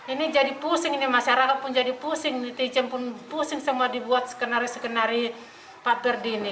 ini jadi pusing ini masyarakat pun jadi pusing netizen pun pusing semua dibuat skenario skenario pak ferdi ini